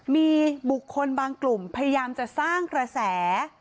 มีบุคคลบางกลุ่มพยายามจะสร้างกระแส